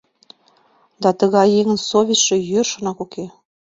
Да, тыгай еҥын совестьше йӧршынак уке.